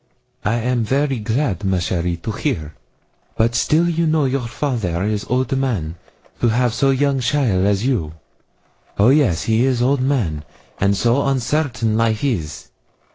'I am very glad, ma chère, to hear; but still you know your father is old man to have so young cheaile as you. Oh, yes he is old man, and so uncertain life is.